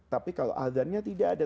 tapi kalau azannya tidak ada